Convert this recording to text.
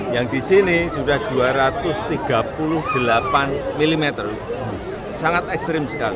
yang di sini sudah dua ratus tiga puluh delapan mm sangat ekstrim sekali